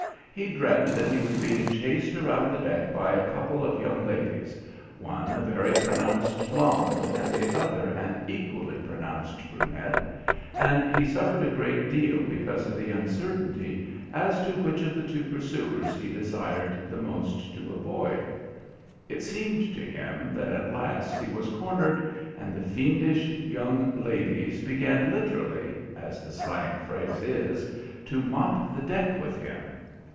He dreamt that he was being chased around the deck by a couple of young ladies, one a very pronounced blonde, and the other an equally pronounced brunette, and he suffered a great deal because of the uncertainty as to which of the two pursuers he desired the most to avoid. It seemed to him that at last he was cornered, and the fiendish young ladies began literally, as the slang phrase is, to mop the deck with him.